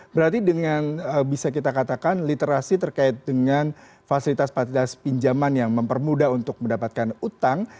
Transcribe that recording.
berarti dengan bisa kita katakan literasi terkait dengan fasilitas fasilitas pinjaman yang mempermudah untuk mendapatkan utang